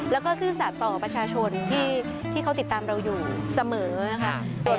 แล้วก็ซื่อสัตว์ต่อประชาชนที่เขาติดตามเราอยู่เสมอนะคะ